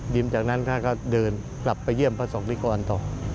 ยิ้มจากนั้นก็เดินกลับไปเยี่ยมประสงค์มิกรก่อนต่อ